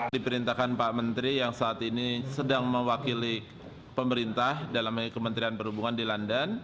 diperintahkan pak menteri yang saat ini sedang mewakili pemerintah dalam kementerian perhubungan di london